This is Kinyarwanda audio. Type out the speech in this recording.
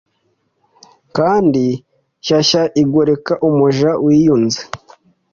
Kandi shyashya igoreka umuja wiyunze